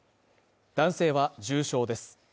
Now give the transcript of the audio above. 男性は重傷です。